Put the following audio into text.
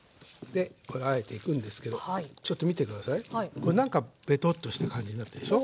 これ何かベトッとした感じになってるでしょう？